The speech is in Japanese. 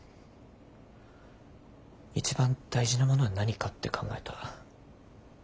一番大事なものは何かって考えた。